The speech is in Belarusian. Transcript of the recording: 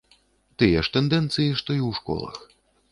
Тыя ж тэндэнцыі, што і ў школах.